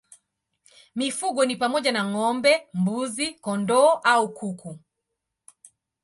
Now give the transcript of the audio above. Mifugo ni pamoja na ng'ombe, mbuzi, kondoo na kuku.